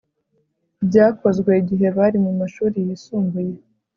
byakozwe igihe bari mumashuri yisumbuye